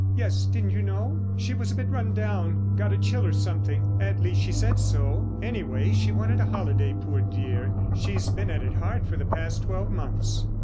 "Yes; didn't you know? She was a bit run down. Got a chill or something—at least, she said so! Anyway, she wanted a holiday, poor dear! She's been at it hard for the past twelve months."